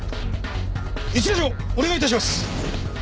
一課長お願い致します！